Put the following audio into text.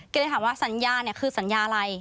ก็เลยถามว่าสัญญาเนี่ยคือสัญญาอะไร